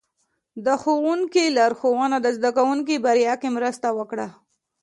د ښوونکي لارښوونه د زده کوونکو بریا کې مرسته وکړه.